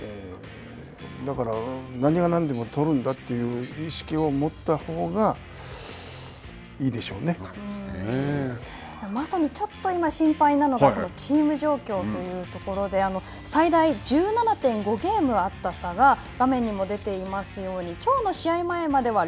だから、何が何でも取るんだという意識を持ったほうがまさにちょっと今心配なのがチーム状況というところで、最大１７．５ゲームあった差が画面にも出ていますように、きょうの試合前までは６。